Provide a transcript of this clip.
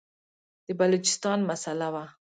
د بلوچستان مسله وه.